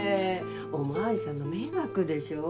お巡りさんの迷惑でしょ。